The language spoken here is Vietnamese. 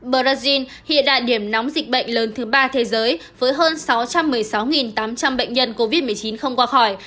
brazil hiện là điểm nóng dịch bệnh lớn thứ ba thế giới với hơn sáu trăm một mươi sáu tám trăm linh bệnh nhân covid một mươi chín không qua khỏi